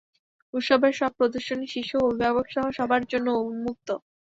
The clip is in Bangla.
উৎসবের সব প্রদর্শনী শিশু, অভিভাবকসহ সবার জন্য উন্মুক্ত।